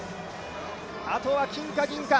あとは金か銀か。